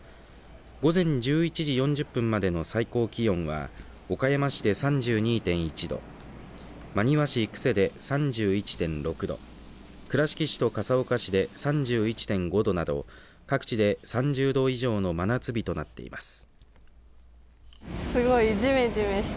午前１１時４０分までの最高気温は岡山市で３２．１度、真庭市久世で３１．６度、倉敷市と笠岡市で３１．５度など各地で３０度以上の真夏日となっています。